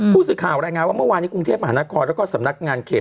พูดสึกข่าวแล้วยังว่าเมื่อวานในกรุงเทพฯมหานครและก็สำนักงานเขต